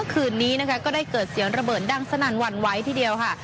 คืนนี้ก็ได้เกิดเสียงระเบิดดังสนานวันไว้ทีเดียวค่ะ